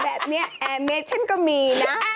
แบบนี้แอร์เมชั่นก็มีนะ